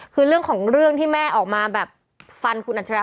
คือเรื่องของเรื่องที่แม่ออกมาแบบฟันคุณอัจฉริย